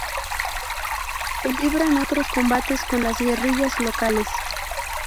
Se libran otros combates con las guerrillas locales.